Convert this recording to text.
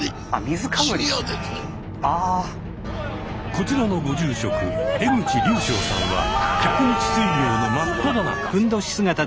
こちらのご住職江口隆晶さんは１００日水行の真っただ中。